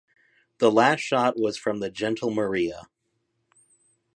This last shot was from the gentle Maria.